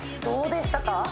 どうでしたか？